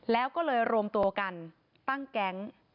แล้วก็เลยรวมตัวกันตั้งแก๊ง